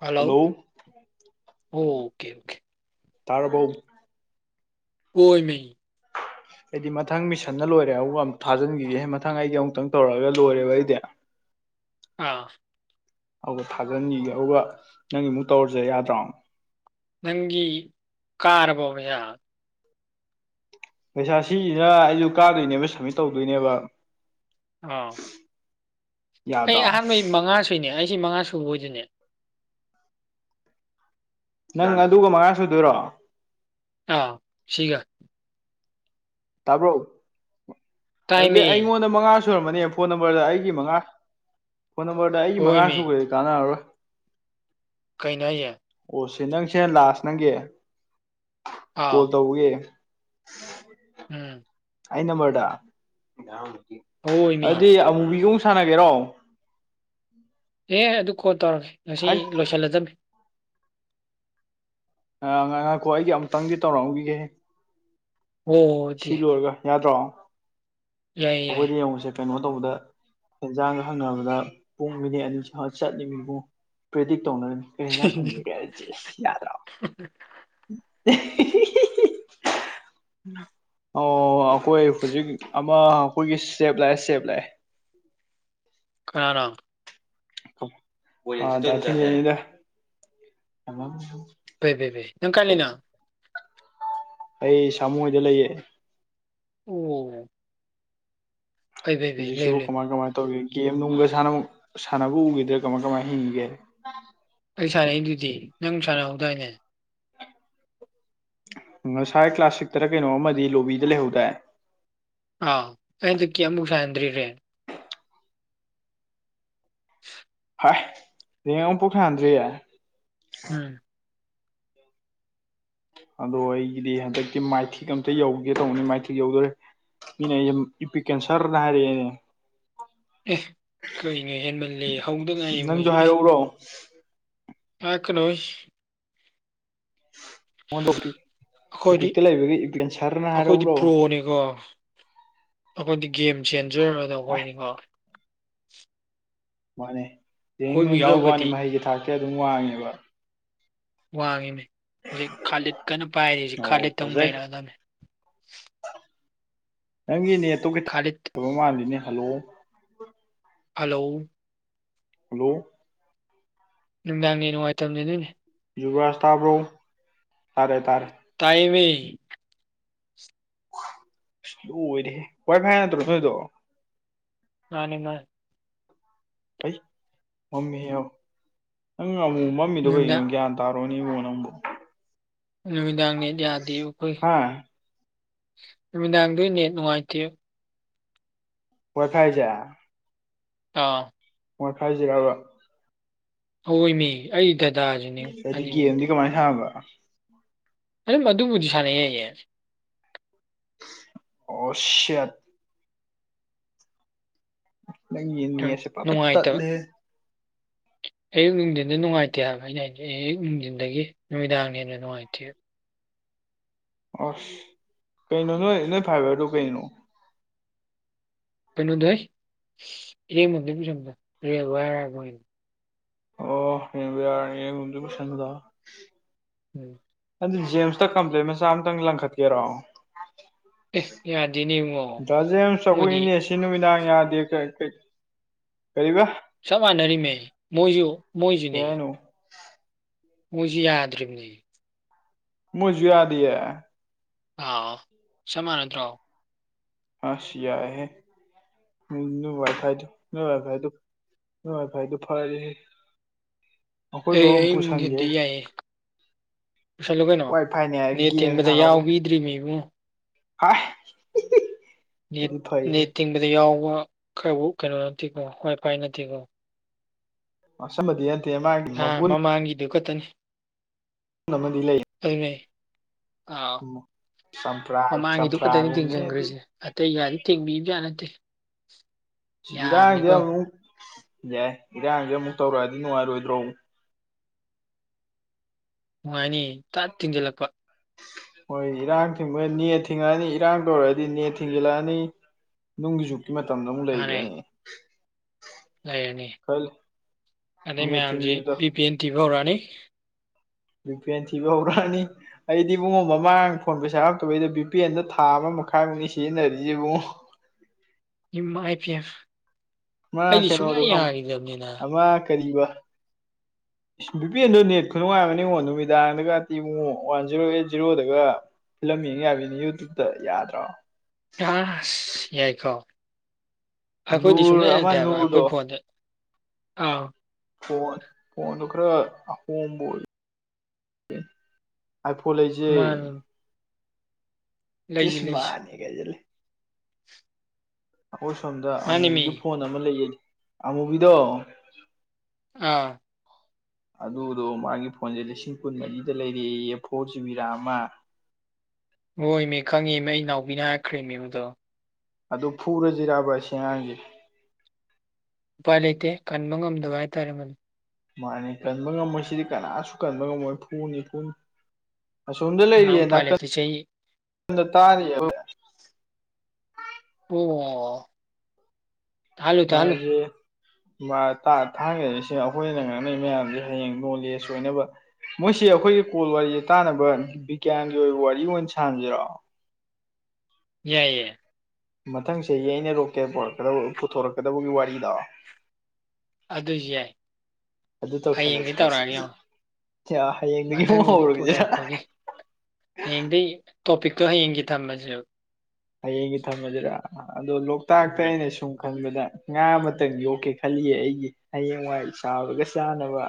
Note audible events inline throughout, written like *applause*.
hello hello okay ꯑꯣꯦ ꯇꯥꯔꯔꯕ ꯑꯣꯏꯣꯏꯅ ꯑꯩꯗꯤ ꯃꯊꯪ ꯃꯤꯁꯟꯅ ꯂꯣꯏꯔꯦ ꯑꯃꯨꯛ ꯑꯃꯨꯛ ꯊꯥꯖꯤꯟꯈꯤꯒꯦꯍꯦ ꯃꯊꯪ ꯑꯩꯗꯤ ꯑꯃꯨꯛꯇꯪ ꯇꯧꯔꯛꯑꯒ ꯂꯣꯏꯔꯦꯕ ꯑꯩꯗꯤ *inaudible* ꯑꯥ ꯑꯗꯨꯒ ꯊꯥꯖꯤꯟꯈꯤꯒꯦ ꯑꯗꯨꯒ ꯅꯪꯒꯤ ꯑꯃꯨꯛ ꯇꯧꯔꯁꯦ ꯌꯥꯗ꯭ꯔꫭ ꯅꯪꯒꯤ ꯀꯥꯔꯕꫭ ꯄꯩꯁꯥ ꯄꯩꯁꯥ ꯁꯤꯁꯤꯅ ꯑꯩꯁꯨ ꯀꯥꯗꯣꯏꯅꯦꯕ ꯁꯕꯃꯤꯠ ꯇꯧꯗꯣꯏꯅꯦꯕ ꯑꯥ ꯑꯩ ꯌꯥꯗ꯭ꯔꯣ ꯑꯍꯥꯟꯕꯩ ꯃꯉꯥ ꯁꯨꯏꯅꯦ ꯑꯩꯁꯤ ꯃꯉꯥ ꯁꯨꯕꯣꯏꯗꯨꯅꯦ ꯅꯪ ꯑꯗꯨꯒ ꯃꯉꯥ ꯁꯨꯗꯣꯏꯔꯣ ꯑꯥ ꯁꯤꯒ ꯇꯥꯕ꯭ꯔꫭ ꯑꯗꯨꯗꯤ ꯇꯥꯏꯃꯤ ꯑꯩꯉꯣꯟꯗ ꯃꯉꯥ ꯁꯨꯔꯝꯃꯅꯦ ꯐꯣꯟ ꯅꯝꯕꫪꯗ ꯑꯩꯒꯤ ꯃꯉꯥ ꯐꯣꯟ ꯅꯝꯕꫪꯗ ꯑꯩꯒꯤ ꯃꯉꯥ ꯍꯣꯏꯃꯤ ꯁꯨꯒ꯭ꯔꯗꯤ ꯀꯥꯟꯅꯔꯔꯣꯏ ꯀꯩꯅꫭ ꯍꯥꯏꯖꯦ ꯑꯣ ꯁꯤ ꯅꯪꯁꯦ ꯂꯥꯁ ꯅꯪꯒꯤ ꯀꯣꯜ ꯑꯥ ꯇꯧꯕꯒꯦ ꯎꯝ ꯑꯩ ꯅꯝꯕꫪꯗ ꯍꯣꯏꯃꯤ ꯑꯗꯨꯗꯤ ꯑꯃꯨꯕꯤꯒꯃꯨꯛ ꯁꯥꯟꯅꯒꯦꯔꯣ ꯍꯦ ꯑꯗꯨ ꯀꯣꯜ ꯇꯧꯔꯒꯦ ꯉꯁꯤ ꯍꯥꯏ ꯂꯣꯏꯁꯤꯜꯂꯗꯝꯕꯅꯤ ꯑ ꯉꯥꯏꯈꯣ ꯑꯩꯒꯤ ꯑꯃꯨꯛꯇꯪꯗꯤ ꯇꯧꯔꯝꯑꯈꯤꯒꯦ ꯁꯤ ꯑꯣꯗꯤ ꯂꯣꯏꯔꯒ ꯌꯥꯗ꯭ꯔꯣ ꯌꯥꯏ ꯌꯥꯏ ꯇꫭꯝꯕꯗ ꯇꯧꯕꯗ ꯍꯦꯟꯖꯥꯡꯒ ꯍꯪꯅꯕꯗ ꯄꯨꯡ ꯃꯤꯅꯤꯠ ꯑꯅꯤꯁꯤ ꯆꯠꯂꯤꯃꯤꯕꯨꯨꯉꫭ ꯄ꯭ꯔꯦꯗꯤ ꯇꯧꯅꯩꯔꯤꯃꯤ ꯀꯔꯤꯍꯦꯟꯖꯥꯡ ꯊꯣꯡꯖꯤꯒꯦ ꯁꯤ ꯌꯥꯗ꯭ꯔꫭ *unintelligible* ꯑꯣ ꯑꯩꯈꯣꯏ ꯍꯧꯖꯤꯛ ꯑꯃ ꯑꯩꯈꯣꯏꯒꯤ ꯁꯦꯞ ꯂꯥꯛꯑꯦ ꯁꯦꯞ ꯂꯥꯛꯑꯦ ꯀꯅꯥꯅꫭ *unintelligible* ꯐꯩ ꯐꯩ ꯐꯩ ꯅꯪ ꯀꯥꯏ ꯂꯩꯅꯣ ꯑꯩ ꯁꯃꯨ ꯍꫭꯏꯗꯦ ꯂꯩꯌꯦ ꯑꫭ ꯍꯧꯖꯤꯛꯁꯤꯕꯨ ꯀꯃꯥꯏ ꯀꯃꯥꯏꯅ ꯇꯧꯔꯤ ꯒꯦꯝ ꯅꯨꯡꯒ ꯁꯥꯟꯅ ꯁꯥꯟꯅꯕ ꯎꯈꯤꯗ꯭ꯔꯦ ꯀꯃꯥꯏ ꯀꯃꯥꯏ ꯍꯤꯡꯉꯤꯒꯦ ꯑꯩ ꯁꯥꯟꯅꯛꯏꯗꯨꯗꯤ ꯅꯪ ꯁꯥꯟꯅꯍꯧꯗꯥꯏꯅꯦ ꯉꯁꯥꯏ ꯀ꯭ꯂꯥꯁꯤꯛꯇꯔ ꯀꯩꯅꯣ ꯑꯃꯗꯤ ꯂꯣꯕꯤꯗ ꯂꯩꯍꯧꯗꯥꯏ ꯑꯩ ꯍꯟꯗꯛꯀꯤ ꯑꯝꯕꯨꯛ ꯁꯟꯗ꯭ꯔꯤ ꯔꯦꯡ ꯍꯥꯏ ꯔꯦꯡ ꯑꯝꯐꯨꯛ ꯁꯥꯟꯗ꯭ꯔꯤꯌꯦ ꯎꯝ ꯑꯗꯣ ꯑꯩꯒꯤꯗꯤ ꯍꯟꯗꯛꯇꯤ ꯃꯥꯏꯊꯤꯛ ꯑꯝꯇ ꯌꯧꯒꯦ ꯇꯧꯕꯅꯤ ꯃꯥꯏꯊꯤꯛ ꯌꯧꯗꯣꯔꯦ ꯏꯅꯦ ꯏ ꯄ ꯀꯦꯟ ꯁꯔꯅ ꯍꯥꯏꯔꯅꯦ ꯑꯦ ꯀꯩꯅꯣ ꯍꯦꯟꯃꯜꯂ ꯍꯧꯗ ꯉꯥꯏꯌꯦ ꯅꯪꯁꯨ ꯃꯣꯏꯁꯨ ꯏ ꯍꯥꯏꯔꯛꯎꯔꯣ ꯑꯦꯅꯣꯣꯏ ꯍ ꯇ ꯑꯩꯈꯣꯏꯗꯤ ꯏꯐꯛꯇ ꯂꯩꯕꯒꯤ ꯏꯕꯦꯟ ꯁꯥꯔꯅ ꯑꯩꯈꯣꯏꯗꯤ ꯍꯥꯏꯔꯎꯔꯣ ꯄ꯭ꯔꯣꯅꯤꯀꯣ ꯑꯩꯈꯣꯏꯗꯤ ꯒꯦꯝ ꯆꯦꯟꯖꯗꯣ ꯑꯩꯈꯣꯏꯗꯤ ꯉꯥꯎꯋꯦ ꯃꯥꯅꯦ ꯔꯦꯡ ꯑꯩꯈꯣꯏꯕꯨ ꯅꯦꯝꯖꯕ ꯋꯥꯅꯤ ꯌꯥꯎꯔꯒꯗꯤ ꯃꯍꯩꯒꯤ ꯊꯥꯛꯇꯤ ꯑꯗꯨꯝ ꯋꯥꯡꯉꯦꯕ ꯋꯥꯡꯉꯤꯅꯦ ꯍꯧꯖꯤꯛ ꯈꯥꯂꯤꯠ ꯀꯟꯅ ꯄꯥꯏꯔꯤ ꯍꯖꯤꯛ ꯑꯣ ꯈꯥꯂꯤꯠꯇ ꯃꯨꯛ ꯐꯖꯩ ꯅꯩꯔꯛꯑꯗꯝꯅꯤ ꯅꯪꯒꯤ ꯅꯦꯠꯇꫭ ꯈꯤꯇꯪ ꯈꯥꯂꯤꯠ ꯇꯕ ꯃꯥꯜꯂꯤꯅꯦ ꯍꯜꯂꯣ ꯍꯜꯂꯣ ꯍꯜꯂꯣ ꯅꯨꯡꯗꯥꯡ ꯅꯦꯠ ꯅꯨꯡꯉꯥꯏꯇꯝꯅꯤ ꯅꯣꯏꯗꯤ ꯌꯨꯕꯔꯥꯖ ꯇꯥꯥꯕ꯭ꯔꯣ ꯇꯥꯔꯦ ꯇꯥꯔꯦ ꯃꯩ ꯃꯩ ꯑꯁ ꯂꯣꯏꯔꯦ ꯋꯥꯏ ꯐꯥꯏ ꯅꯠꯇ꯭ꯔꯣ ꯅꯣꯏꯗꯣ ꯃꯥꯅꯤ ꯃꯥꯅꯤ ꯑꯩ ꯃꯝꯃꯤ ꯅꯪ ꯑꯃꯨꯛ ꯃꯝꯃꯤꯗꯣ ꯀꯩꯅꯣ ꯅꯨꯃꯤꯗꯥꯡ ꯒ꯭ꯌꯥꯟ ꯇꯥꯕ ꯣꯅꯤ ꯐꯅꯝꯕ ꯅꯨꯃꯤꯗꯥꯡꯅꯦ ꯌꯥꯗꯦ ꯎꯈꯣꯏ ꯍꯥ ꯅꯨꯃꯤꯗꯥꯡꯗꯅꯦ ꯅꯨꯡꯉꯥꯏꯇꯦꯌꯨ ꯀꯊꯥꯏꯖ ꯑꯥ ꯄꯈꯥꯏꯁꯤꯔꯔꯕ ꯍꯑꯣꯏ ꯃꯤ ꯑꯩꯗ ꯑꯗꯨꯗꯤ ꯒꯦꯝꯗꯤ ꯀꯃꯥꯏꯅ ꯁꯥꯕ ꯑꯗꯨ ꯃꯗꯨꯕꯨꯗꯤ ꯁꯥꯟꯅꯩꯌꯦꯌꯦ ꯑꯁꯠ ꯅꯪ ꯑꯗꯨꯝ ꯌꯦꯅꯤꯁꯦ ꯄꯥꯄ ꯅꯨꯡꯉꯥꯏꯇꯕ ꯇꯠꯂꯦ *inaudible* ꯑꯌꯨꯛ ꯅꯨꯡꯊꯤꯟꯗ ꯅꯨꯡꯉꯥꯏꯇꯦ ꯍꯥꯏꯕ ꯑꯩꯅ ꯑꯌꯨꯛ ꯅꯨꯡꯊꯤꯟꯗꯒꯤ ꯅꯨꯃꯤꯗꯥꯡ ꯍꯦꯟꯅ ꯅꯨꯡꯉꯥꯏꯇꯦ ꯑꯁ ꯀꯩꯅ ꯅ ꯅ ꯐꯥꯏꯕ ꯑꯗꯨꯨ ꯀꯩꯅ ꯀꯩꯅꯣꯗꯣꯏ ꯃꯦ ꯄꯁꯗ ꯑꯣ ꯍꯕꯤ ꯌꯥꯅꯤꯁꯨ ꯄꯁꯒꯗ ꯎꯝ ꯑꯗꯨ ꯖꯦꯝꯁꯇ ꯀꯝꯄ꯭ꯂꯦꯟ ꯃꯆꯥ ꯑꯃꯇꯪ ꯂꯪꯈꯠꯀꯦꯔꯣ ꯑꯦ ꯌꯥꯗꯦꯅꯦ ꯏꯕꯨꯡꯉꯣ ꯗꯁ ꯃꯣꯏꯗꯤ ꯁꯒꯣꯏꯅꯤ ꯑꯦꯁꯤꯅꯃꯤꯗꯥ ꯌꯥ ꯀ ꯀ ꯁꯃꯅꯔꯤ ꯃ ꯃꯣꯏ ꯌꯨ ꯀꯩ ꯃꯣꯏꯁꯨꯅꯤ ꯍꯥꯏꯅꯣ ꯃꯣꯏꯁꯨ ꯌꯥꯗ꯭ꯔꯤꯕꯅꯤ ꯃꯁꯨ ꯌꯥꯗ ꯑꯥ ꯁꯃꯅ ꯑꯗꯨ꯭ꯔꯣ ꯍ ꯁꯤ ꯌꯥ ꯍꯦ ꯋꯥꯈꯥꯏꯗ ꯅ ꯋꯥꯈꯥꯏ ꯇ ꯍꯣꯏ ꯐꯥꯏꯗꯣ ꯐꯔꯗꯤ ꯑꯩꯈꯣꯏ ꯕ ꯑꯦ ꯑꯃ ꯑꯌꯨꯛ ꯄꯨꯨ ꯁꯪꯒꯦ ꯅꯨꯡꯊꯤꯟꯗꯤ ꯌꯥꯏꯌꯦ ꯄꯨꯁꯜꯂꯨ ꯀꯩꯅꯣ ꯋꯥꯏ ꯐꯥꯏꯅꯦ ꯅꯦꯠ ꯒꯦꯝ ꯊꯤꯡꯕꯗ ꯁꯥꯟꯅꯕ ꯌꯥꯎꯕꯤꯗ꯭ꯔꯤꯃꯤ ꯏꯕꯨꯡꯉꯣ ꯍ ꯅꯦꯠ ꯅꯦꯠ ꯇꯤꯡꯕꯗ ꯌꯥꯎꯕ ꯀꯩꯅꯣ ꯅꯠꯇꯦꯀꯣ ꯍꯋꯥꯏꯐꯥꯏ ꯅꯠꯇꯦꯀꯣ ꯑꯁ ꯃꯗꯤ ꯃꯑꯒꯤ ꯃꯒꯨꯟ ꯀ ꯇꯅꯤ ꯑꯥꯃꯗꯤ ꯂꯩ ꯑꯥ ꯆꯝꯄ꯭ꯔꯥ ꯃꯃꯥꯡꯒꯤꯗꯨ ꯈꯛꯇꯅꯤ ꯆꯝꯄ꯭ꯔꯥꯒꯨꯝꯅꯤ ꯍꯥꯏꯗꯤ ꯊꯤꯡꯖꯤꯟꯈ꯭ꯔꯁꯦ ꯑꯇꯩ ꯌꯥꯗꯤ ꯊꯦꯡꯕꯤꯕ ꯌꯥ ꯅꯠꯇꯦ ꯏꯔꯥꯡꯁꯦ ꯌꯥꯕꯅꯤꯀꯣ ꯑꯃꯨꯛ ꯌꯥꯏ ꯏꯔꯥꯡꯁꯦ ꯑꯃꯨꯛ ꯇꯧꯔꯛꯑꯗꯤ ꯅꯨꯡꯉꯥꯏꯔꯣꯏꯗ꯭ꯔꯣ ꯅꯨꯡꯉꯥꯏꯅꯤ ꯇꯠ ꯊꯤꯡꯖꯤꯜꯂꯛꯄ ꯃꯣꯏ ꯏꯔꯥꯡ ꯊꯤꯡꯕ ꯅꯦꯠ ꯊꯤꯡꯉꯛꯑꯅꯤ ꯏꯔꯥꯡ ꯇꯧꯔꯗꯤ ꯅꯦꯠ ꯊꯤꯡꯖꯤꯜꯂꯛꯑꯅꯤ ꯅꯨꯡꯒꯤ ꯖꯨꯛꯀꯤ ꯃꯇꯝꯗ ꯑꯃꯨꯛ ꯍꯥꯟꯅ ꯂꯩꯈ꯭ꯔꯅꯤ ꯂꯩꯔꯅꯤ ꯈꯜꯂꯤ ꯑꯗꯩ ꯅꯦꯠ ꯃꯌꯥꯝꯁꯤ ꯊꯤꯡꯈꯤꯕꯗꯣ ꯕꯤ ꯄꯤ ꯑꯦꯟ ꯊꯤꯕ ꯍꯧꯔꯛꯑꯅꯤ ꯕꯤ ꯄ ꯑꯦꯟ ꯊꯤꯕ ꯍꯧꯔꯛꯑꯅꯤ ꯑꯩꯗꯤ ꯏꯨꯡꯉꯣ ꯃꯃꯥꯡ ꯐꯣꯟ ꯄꯩꯁꯥ ꯉꯇꯕꯩꯗꯣ ꯕꯤ ꯄꯤ ꯑꯦꯟꯗ ꯊꯥ ꯑꯃ ꯃ ꯈꯥꯡꯅꯤꯁꯤꯟꯔꯤꯖꯤꯕꯨꯨꯡ ꯏꯃꯥꯏ ꯄꯦꯝꯃꯥ ꯑꯃ ꯀꯩꯅꯣꯗꯣ ꯈꯪꯉ ꯑꯃ ꯀꯔꯤꯕ *inaudible* ꯕꯤꯄꯦꯟꯗꯣ ꯅꯦꯠ ꯈꯨꯅꯨꯡꯉꯥꯏꯕ ꯏꯡꯉꯣ ꯅꯨꯃꯤꯗꯥꯡꯗꯒ ꯇꯤꯕꯨꯡꯉꯣ ꯋꯥꯟ ꯖꯤꯔꯣ ꯑꯩꯠ ꯖꯤꯔꯣꯗꯒ ꯐꯤꯂꯝ ꯌꯦꯡꯉ ꯌꯥꯕꯅꯤ ꯌꯨꯇꯨꯕꯇ ꯌꯥꯗ꯭ꯔꯣ ꯌꯥ ꯌꯥꯏꯀꯣ ꯑꯩꯈꯣꯏꯗꯤ ꯁꯨꯡꯍ ꯅꯨꯔ ꯑꯃ ꯌꯥꯗꯦꯕ ꯑꯩꯈꯣꯏ ꯅꯨꯔꯗꯣ ꯐꯣꯟꯗ ꯑꯥꯎ ꯐꯣꯟ ꯐꯣꯟꯗꯨ ꯈꯔ ꯑꯍꯣꯡꯕ ꯑꯥꯏꯐꯣꯟ ꯂꯩꯁꯦ ꯃꯥꯅꯤ ꯂꯩꯁꯤ ꯀꯤꯁꯃ ꯂꯩꯁꯤ ꯑꯅꯤ ꯀꯩꯖꯦ ꯑꯩꯈꯣꯏ ꯁꯣꯝꯗ ꯃꯥꯅꯦꯃꯤ ꯑꯃꯨꯕꯤꯒꯤ ꯐꯣꯟ ꯑꯃ ꯂꯩꯌꯦ ꯑꯃꯨꯕꯤꯗꯣ ꯑꯥ ꯑꯗꯨꯗꯣ ꯃꯥꯒꯤ ꯐꯣꯟꯁꯦ ꯂꯤꯁꯤꯡ ꯀꯨꯟꯃꯔꯤꯗ ꯂꯩꯔꯛꯌꯦ ꯐꯣꯔ ꯖꯤꯕꯤ ꯔꯥꯝ ꯑꯃ ꯍꯣꯏ ꯏꯃꯦ ꯈꯪꯉꯦꯃꯦ ꯑꯩ ꯅꯥꯎꯕꯤꯅ ꯍꯥꯏꯔꯛꯈ꯭ꯔꯦ ꯃꯕꯗꯣ ꯑꯗꯨ ꯐꯨꯔꯖꯤꯔꯥꯕꯥꯁꯉꯥꯡꯁ ꯎꯄꯥꯏ ꯂꯩꯇꯦ ꯀꯟꯕ ꯉꯝꯗꯕ ꯍꯥꯏꯇꯥꯔꯦ ꯃꯅꯤ ꯃꯥꯅꯤ ꯀꯟꯕ ꯉꯝꯃꯣꯏ ꯁꯤꯗꯤ ꯀꯅꯥꯁꯨ ꯀꯟꯕ ꯉꯝꯃꯣꯏ ꯊꯨꯅꯤ ꯊꯨꯅꯤ ꯑꯁꯣꯝꯗ ꯃꯥ ꯂꯩꯔꯤꯌꯦ ꯎꯄꯥꯏ ꯅꯥꯀꯟ ꯂꯩꯇꯦ ꯆꯍꯤ ꯅꯥꯗ ꯇꯥꯔꯤꯌꯦ ꯑꯣ ꯇꯥꯍꯜꯂꯨ ꯇꯥꯍꯜꯂꯨ ꯃꯥꯖꯦ ꯊꯥꯡꯒꯗꯔꯤꯁꯦ ꯑꯩꯈꯣꯏꯅ ꯉꯥꯡꯅꯩ ꯃꯌꯥꯝꯁꯦ ꯍꯌꯦꯡ ꯅꯣꯂꯦꯖ ꯑꯣꯏꯅꯕ ꯃꯣꯏꯁꯤ ꯑꯩꯈꯣꯏꯒꯤ ꯀꯣꯜ ꯋꯥꯔꯤꯁ ꯇꯥꯅꯕ ꯕꯤꯒ꯭ꯌꯥꯟꯒꯤ ꯑꯣꯏꯕ ꯋꯥꯔꯤ ꯑꯣꯏꯅ ꯁꯥꯥꯟꯁꯤꯔꯣ ꯌꯥꯏ ꯌꯥꯏ ꯃꯊꯪ ꯆꯍꯤ ꯑꯩꯅ ꯔꯣꯛꯀꯦꯠ ꯄꯨꯊꯣꯔꯛꯀꯗꯕꯒꯤ ꯋꯥꯔꯤꯗꯣ ꯑꯗꯨ ꯌꯥꯏ ꯑꯗꯨ ꯍꯌꯦꯡꯗꯤ ꯇꯧꯁꯜꯂꯁꯤ ꯃꯁꯤ ꯇꯧꯔꯛꯑꯒ ꯌꯦꯉꯣ ꯍꯌꯦꯡꯗꯒꯤ ꯃꯊꯪ ꯑꯃꯨꯛ ꯑꯗꯤ ꯍꯧꯔꯒꯁꯤꯔ ꯄꯨꯊꯣꯔꯛꯄꯒꯤ ꯍꯌꯦꯡꯗꯒꯤ ꯇꯣꯄꯤꯛꯇꯣ ꯍꯌꯦꯡꯒꯤ ꯊꯝꯃꯁꯦ ꯍꯌꯦꯡꯒꯤ ꯊꯝꯃꯁꯤꯔ ꯑꯗꯣ ꯂꯣꯛꯇꯥꯛꯇ ꯎꯝ ꯑꯩꯅ ꯁꯨꯝ ꯈꯟꯕꯗ ꯉꯥ ꯑꯃꯇꯪ ꯌꯣꯛꯀꯦ ꯈꯜꯂꯤꯌꯦ ꯑꯩꯒꯤ ꯍꯌꯦꯡꯋꯥꯏ ꯁꯥꯕꯒ ꯆꯥꯅꯕ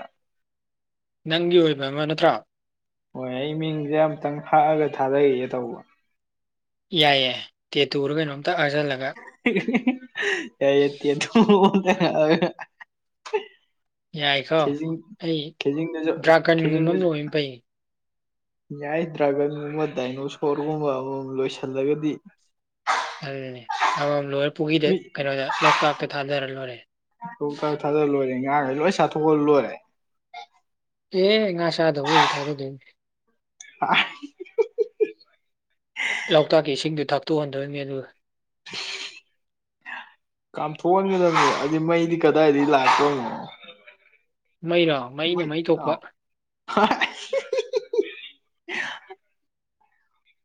ꯅꯪꯒꯤ ꯑꯣꯏꯕ ꯑꯃ ꯅꯠꯇ꯭ꯔꯥ ꯍꯣꯏ ꯑꯩ ꯃꯤꯡꯁꯦ ꯑꯃꯨꯇꯪ ꯍꯛꯑꯒ ꯊꯥꯗꯩꯒꯦ ꯇꯧꯕ ꯌꯥꯏ ꯌꯥꯏ ꯇꯦꯇꯨ ꯎꯔꯒꯅꯣ ꯀ ꯇꯦꯇꯨ ꯑꯃꯥ ꯍꯛꯑꯒꯥ ꯌꯥꯏꯀꯣ ꯀꯖꯤ ꯑꯩ ꯀꯦꯖꯤꯡ ꯅꯖ ꯀꯦꯖꯤ ꯗ꯭ꯔꯥꯒꯟꯒꯨꯝꯕ ꯑꯃ ꯂꯣꯏꯕꯅ ꯐꯩ ꯌꯥꯏ ꯗ꯭ꯔꯥꯒꯟꯒꯨꯝꯕ ꯗꯥꯏꯅꯣꯁꯣꯔꯒꯨꯝꯕ ꯑꯃꯃꯝ ꯂꯣꯏꯁꯤꯜꯂꯒꯗꯤ ꯑꯗꯨ ꯂ ꯄꯨꯒꯤꯗ ꯃꯤ ꯀꯩꯅꯣꯗ ꯂꯣꯛꯇꯥꯛꯇ ꯊꯥꯗꯔ ꯂꯣꯏꯔꯦ ꯉꯈ ꯂꯣꯏ ꯆꯥꯊꯣꯛꯑ ꯂꯣꯏꯔꯦ ꯑꯦ ꯉꯥ ꯆꯥꯗꯕꯨ ꯊꯥꯗꯗ ꯑ ꯂꯣꯛꯇꯥꯛꯀꯤ ꯏꯁꯤꯡꯗꯨ ꯊꯥꯛꯇꯣꯛꯍꯟꯗꯣꯏꯅꯤ ꯑꯗꯨꯒ *unintelligible* *unintelligible* ꯀꯥꯝꯊꯣꯛꯍꯟꯒꯗꯕꯅꯦ ꯑꯩꯗꯤ ꯃꯩꯗꯤ ꯀꯗꯥꯏꯗꯒꯤ ꯂꯥꯛꯇꯣꯅꯣ ꯃꯩꯔꯥ ꯃꯩꯅ ꯃꯩ ꯊꯣꯛꯄ *unintelligible*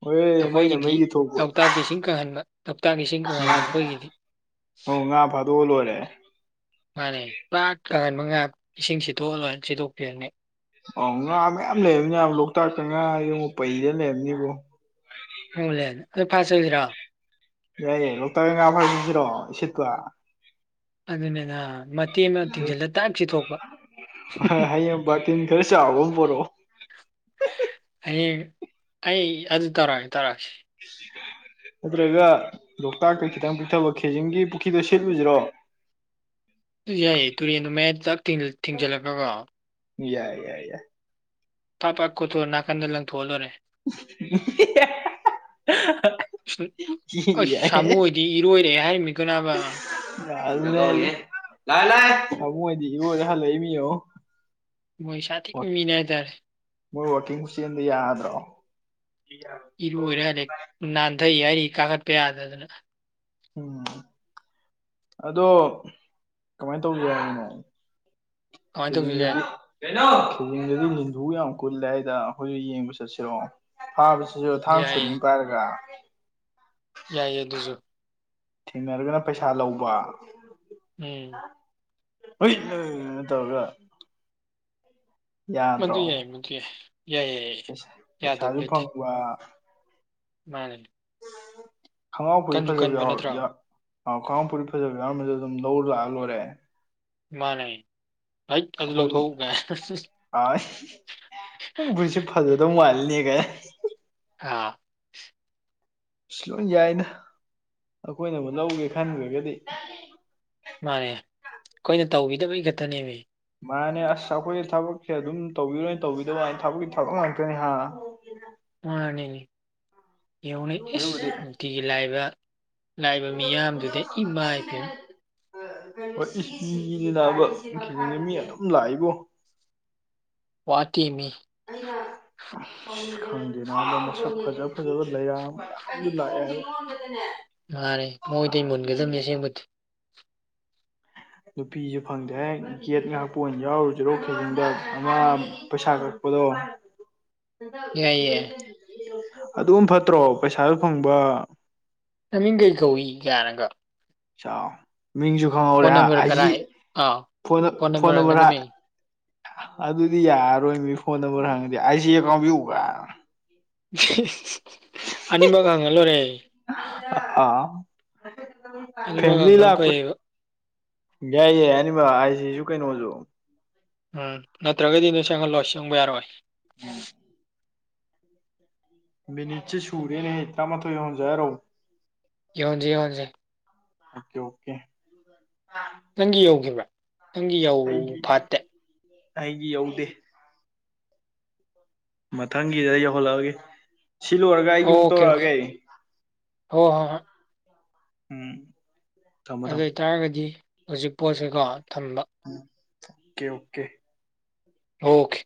ꯍꯣꯏ ꯃꯩꯅ ꯑꯩꯈꯣꯏꯒꯤꯗꯤ ꯃꯩꯒꯤ ꯊꯣꯛꯄ ꯂꯣꯛꯇꯥꯛꯀꯤ ꯏꯁꯤꯡ ꯀꯪꯍꯟꯕ ꯂꯣꯛꯇꯥꯛꯀꯤ ꯏꯁꯤꯡ ꯀꯪꯍꯟꯕ ꯑꯩꯈꯣꯏꯒꯤꯗꯤ ꯎ ꯉ ꯐꯥꯗ ꯑꯣꯂꯣꯔꯦ ꯃꯥꯅꯦ ꯂꯥꯛ ꯃꯉꯥ ꯏꯁꯤꯡ ꯁꯤꯠꯇꯣꯛꯑ ꯂꯣꯏ ꯁꯤꯠꯇꯣꯛꯄꯤꯔꯅꯤ ꯑ ꯉꯥ ꯃꯌꯥꯝ ꯂꯩꯔꯝꯅꯦ ꯂꯣꯛꯇꯥꯛꯇ ꯉꯥ ꯌꯦꯡꯕ ꯄꯩꯗ ꯂꯩꯔꯝꯅꯤꯕ ꯑꯗꯨꯣꯏ ꯐꯁ ꯑꯣꯏꯗꯔꯥꯣ ꯌꯥ ꯔꯛꯇ ꯐꯁꯤꯔꯣ ꯁꯤꯠꯇꯋꯥ ꯑꯗꯨ ꯑꯗꯨꯅꯦꯦꯒ ꯃꯇꯦꯛ ꯑꯃ ꯇꯤꯡꯁꯤꯜꯂ ꯇꯥꯛꯁꯤ ꯊꯣꯛꯄ ꯍꯌꯦꯡ ꯕꯥꯔꯇꯤꯟ ꯈꯔ ꯆꯥꯎꯕ ꯑꯃ ꯄꯣꯔꯛꯑꯣ ꯍꯌꯦꯡ ꯑꯩ ꯑꯗꯨ ꯇꯧꯔꯛꯑꯁꯤ ꯇꯥꯔꯛꯑꯁꯤ ꯅꯠꯇ꯭ꯔꯒ ꯂꯣꯛꯇꯥꯛꯇ ꯈꯤꯇꯪ ꯄꯤꯛꯊꯕ ꯈꯦꯖꯤꯡꯒꯤ ꯄꯨꯈ꯭ꯔꯤꯗꯣ ꯁꯤꯦꯠꯂꯨꯁꯤꯔꯣ *unintelligible* ꯑꯗꯨ ꯌꯥꯏꯌꯦ ꯇꯨꯔꯦꯟꯗꯨ ꯃꯌꯥ ꯆꯥꯛ ꯊꯤꯡꯖꯜꯂꯛꯒꯒꯣ ꯌꯥꯏ ꯌꯥꯏ ꯌꯥꯏ ꯇꯥꯞ ꯍꯥ ꯀꯣ ꯇꯣꯅꯥꯀꯟꯗ ꯂꯪ ꯊꯣꯜꯗꯣꯔꯦ *inaudible* ꯑꯩꯁ ꯌꯥꯏ ꯁꯥꯃꯨꯣꯏꯗꯤ ꯏꯔꯣꯏꯔꯦ ꯍꯥꯏꯔꯝꯃꯤꯀꯣꯅꯥꯕ ꯂ ꯂ ꯂꯗꯤꯕꯨ ꯍꯃꯤ ꯑ ꯃꯣꯏ ꯁꯥꯊꯤꯕ ꯃꯤꯅꯦ ꯍꯥꯏꯇꯥꯔꯦ ꯃꯣꯏ ꯋꯥꯀꯤꯡ ꯃꯦꯆꯤꯟꯗ ꯌꯥꯗ꯭ꯔꯣ ꯏꯔꯨꯔꯦ ꯍꯜꯂꯦ ꯅꯥꯟꯊꯏ ꯍꯥꯏꯔꯤ ꯀꯥꯈꯠꯄ ꯌꯥꯗꯗꯅ ꯎꯝ ꯑꯗꯣ ꯀꯃꯥꯏꯅ ꯇꯧꯒꯦ ꯍꯥꯏꯅꯣ ꯀꯃꯥꯏꯅ ꯁꯤꯖꯤꯤꯡ ꯇꯧꯁꯤꯒꯦ ꯅꯨꯗꯤ ꯀꯦꯖꯤꯡꯗꯗꯤ ꯤꯟꯊꯨ ꯌꯥꯝ ꯀꯨꯜꯂꯦ ꯍꯥꯏꯗ ꯑꯩꯈꯣꯏꯁꯨ ꯌꯦꯡꯕ ꯆꯠꯁꯤꯔꯣ ꯐꯥꯕꯁꯤꯁꯨ ꯊꯥꯡ ꯁꯨꯔꯤ ꯌꯥꯏꯌꯦ ꯄꯥꯏꯔꯒ ꯌꯥꯏꯌꯦ ꯑꯗꯨꯁꯨ ꯊꯦꯡꯅꯔꯒꯅ ꯄꯩꯁꯥ ꯂꯧꯕ ꯎꯝ ꯍꯣꯏ ꯇꯧꯒ ꯃꯗꯨ ꯌꯥꯏ ꯃꯗꯨ ꯌꯥꯏ ꯌꯥꯏ ꯌꯥꯏ ꯌꯥꯏ ꯌꯥꯗꯕ ꯄꯩꯁꯥꯁꯨ ꯂꯩꯠꯇꯦ ꯐꯪꯕ ꯃꯥꯅꯤ ꯈꯣꯡꯉꯥꯎ ꯐꯔꯤ ꯐꯖꯕ ꯀꯟꯕ ꯅꯠꯇ꯭ꯔꯣ ꯌꯥꯎ ꯑꯥꯎ ꯈꯉꯄꯨꯔꯤ ꯐꯖꯕ ꯌꯥꯎꯔꯝꯕꯗ ꯑꯗꯨꯝ ꯂꯧ ꯂꯥꯛꯑ ꯂꯣꯏꯔꯦ ꯃꯥꯅꯦ ꯍꯩꯠ ꯑꯗꯨ ꯑꯩꯈꯣꯏ ꯂꯧꯊꯣꯛꯎ ꯀꯥꯏ ꯑ ꯅꯪ ꯄꯨꯟꯁ ꯐꯖꯗꯧ ꯃꯥꯜꯂꯤꯅꯦ ꯀꯦ ꯑꯥ ꯑ ꯂꯣꯏ ꯌꯥꯏꯅ ꯑꯩꯈꯣꯏꯅꯕꯨ ꯂꯧꯒꯦ ꯈꯟꯈ꯭ꯔꯒꯗꯤ ꯃꯥꯅꯦ ꯑꯩꯈꯣꯏꯅ ꯇꯧꯕꯤꯗꯕꯩ ꯈꯛꯇꯅꯦꯃꯤ ꯃꯥꯅꯦ ꯑꯁ ꯑꯩꯈꯣꯏ ꯊꯕꯛꯁꯦ ꯑꯗꯨꯝ ꯇꯧꯕꯤꯔꯣꯏꯅ ꯇꯧꯕꯤꯗꯕ ꯊꯕꯛꯀꯤ ꯊꯕꯛ ꯉꯥꯛꯇꯅꯤ ꯍꯥ ꯑꯅꯤꯅꯤ ꯍꯦꯎꯅ ꯑꯗꯨꯕꯨꯗꯤ ꯏꯁꯁꯇꯤꯗꯒꯤ ꯂꯏꯕ ꯂꯥꯛꯏꯕ ꯃꯤꯌꯥꯝꯗꯨꯗ ꯏꯃꯥ ꯏꯄꯦꯜ ꯍꯣꯏ ꯏ ꯂꯤꯅꯥꯕ ꯏ ꯃꯤ ꯑꯗꯨꯝ ꯂꯥꯛꯏꯕꯣ ꯋꯥꯇ ꯃꯤ ꯑꯌꯥ ꯈꯪꯗꯦꯅ ꯃꯁꯛ ꯐꯖ ꯐꯖꯕ ꯂꯩꯌꯥꯝ ꯂꯥꯛꯑꯦ ꯃꯥꯔꯦ ꯃꯣꯏꯗꯤ ꯃꯨꯟꯒꯗꯕꯅꯤ ꯑꯁꯦꯡꯕꯗꯤ ꯅꯨꯄꯤꯁꯨ ꯐꯪꯗꯦ ꯒꯦꯠ ꯉꯥꯏꯍꯥꯛꯄ ꯑꯣꯏꯅ ꯌꯥꯎꯔꯨꯁꯤꯔꯣ ꯈꯖꯪꯗ ꯑꯃ ꯄꯩꯁꯥ ꯈꯛ ꯀꯗꯣ *inaudible* ꯌꯥꯏ ꯌꯥꯏ ꯑꯗꯨ ꯐꯠꯇ꯭ꯔꯣ ꯄꯩꯁꯥꯁꯨ ꯐꯪꯕ ꯃꯃꯤꯡ ꯀꯩ ꯀꯧꯏ ꯀꯅꯪꯒ ꯆꯥꯎ ꯃꯤꯡꯁꯨ ꯈꯪꯍꯧꯔꯦ ꯅꯝꯕꯔ ꯑꯩꯁꯤ ꯀꯔꯥꯏ ꯑꯥ ꯐꯣꯟ ꯅꯝꯕꯔ ꯍꯥꯏ ꯑꯗꯨꯗꯤ ꯌꯥꯔꯔꯣꯏ ꯃꯤ ꯐꯣꯟ ꯅꯝꯕꯔ ꯍꯪꯉꯗꯤꯦ ꯑꯥꯏ ꯁꯤ ꯑꯦ ꯀꯥꯎꯟ ꯄꯤꯎꯕ ꯑꯅꯤꯕ ꯍꯉꯂꯣ ꯔꯦ ꯑ ꯑꯅꯤꯃꯛ ꯐꯦꯃꯤꯂꯤ ꯍꯪꯕꯅ ꯂꯣꯏ ꯐꯩꯌꯦꯕ ꯌꯥꯏ ꯌꯥꯏ ꯑꯅꯤꯃꯛ ꯍꯥꯏꯁꯤꯁꯨ ꯀꯩꯅꯣꯁꯨ ꯎꯝ ꯅꯠꯇ꯭ꯔꯒꯗꯤ ꯅꯣꯏ ꯁꯦꯡꯍꯜꯂꯣꯏ ꯁꯪꯕ ꯌꯥꯔꯣꯏ ꯃꯤꯅꯤꯆ ꯁꯨꯔꯦꯅꯦ ꯍꯦꯇꯔ ꯃ ꯊꯣꯏ ꯍꯧꯖꯔꯣ ꯌꯣꯟꯖꯤ ꯌꯣꯟꯟꯁꯤ ꯑꯣꯀꯦ ꯑꯣꯀꯦ ꯅꯪꯒꯤ ꯌꯧꯈꯤꯕ꯭ꯔꯥ ꯅꯪꯒꯤ ꯌꯧ ꯑꯩꯒꯤ ꯐꯥꯠꯇꯦ ꯑꯩꯒꯤ ꯌꯧꯗꯦ ꯃꯊꯪꯒꯤꯗ ꯌꯧꯍꯜꯂꯛꯑꯒꯦ ꯁꯤ ꯂꯣꯏꯔꯒ ꯑꯩꯒꯤ ꯑꯃꯨꯛ ꯇꯧꯔꯛꯑꯒꯦ ꯑꯩ ꯍ ꯍꯣꯏ ꯎꯝ ꯊꯝꯃꯣ ꯑꯗꯨ ꯊꯝꯃꯣ ꯑꯣꯏꯇꯥꯔꯒꯗꯤ ꯍꯧꯖꯤꯛ ꯄꯣꯠꯁꯤꯀꯣ ꯊꯝꯕ ꯎꯝ ꯑꯣꯀꯦ ꯑꯣꯀꯦ ꯑꯣꯀꯦ